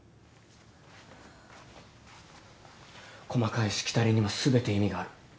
細かいしきたりにも全て意味がある。